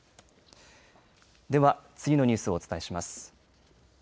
では次のニュースをお伝えします。